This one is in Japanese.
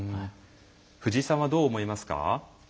藤井さんはどう思いますか？